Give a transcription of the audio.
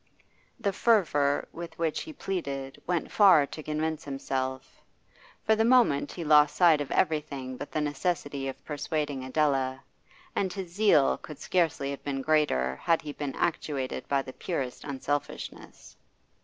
The fervour with which he pleaded went far to convince himself; for the moment he lost sight of everything but the necessity of persuading Adela, and his zeal could scarcely have been greater had he been actuated by the purest unselfishness.